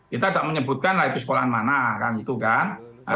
kita tidak menyebutkan lah itu sekolahan mana kan itu kan